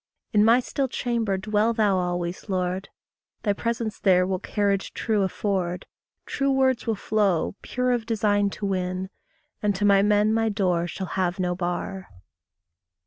In my still chamber dwell thou always, Lord; Thy presence there will carriage true afford; True words will flow, pure of design to win; And to my men my door shall have no bar.